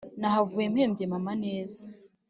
nahavuye mpebye mama neza